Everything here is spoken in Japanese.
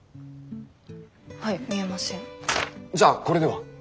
じゃあこれでは？